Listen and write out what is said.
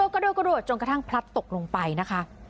กระโดดจนกระทั่งพลัดตกลงไปนะคะ